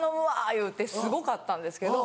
言うてすごかったんですけど。